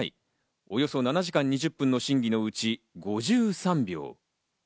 およそ７時間２０分の審議のうち５３秒。